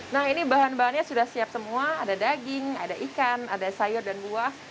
nah ini bahan bahannya sudah siap semua ada daging ada ikan ada sayur dan buah